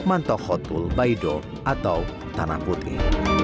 antohotul baido atau tanah putih